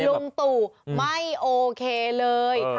ลุงตู่ไม่โอเคเลย